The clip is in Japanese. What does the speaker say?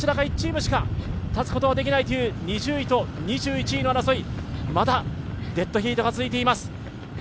このどちらか１チームしか立つのことができないという２０位と２１位の争い、まだデッドヒートが続いています。